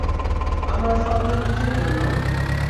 আমার সঞ্চয় কীসের জন্য?